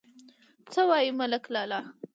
_څه وايې، ملک لالا!